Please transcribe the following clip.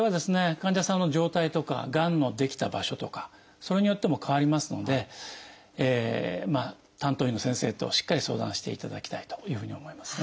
患者さんの状態とかがんの出来た場所とかそれによっても変わりますので担当医の先生としっかり相談していただきたいというふうに思いますね。